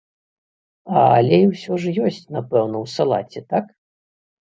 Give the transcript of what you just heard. А алей усё ж ёсць, напэўна, у салаце, так?